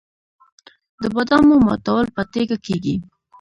د بادامو ماتول په تیږه کیږي.